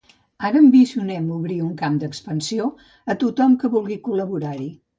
Ara ambicionem obrir un camp d'expansió a tothom que vulgui col·laborar-hi.